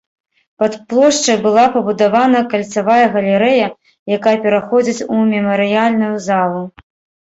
Пад плошчай была пабудавана кальцавая галерэя, якая пераходзіць у мемарыяльную залу.